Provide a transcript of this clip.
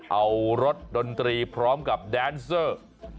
เอารถดนตรีพร้อมกับแดนเซอร์